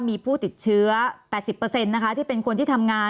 มีผู้ติดเชื้อ๘๐นะคะที่เป็นคนที่ทำงาน